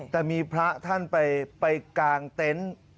แต่มีพระท่านไปกางเต็นต์